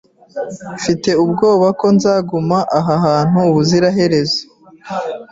Mfite ubwoba ko nzaguma aha hantu ubuziraherezo.